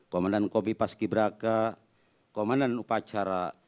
komandan kombi pas ki braka komandan upacara